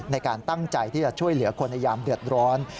ในการตั้งใจที่จะช่วยเหลือคนในยามเดือดร้อน